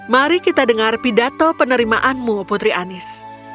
mari kita dengar pidato penerimaanmu putri anies